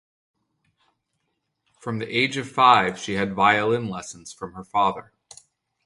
From the age of five she had violin lessons from her father.